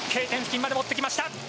Ｋ点付近まで持ってきました。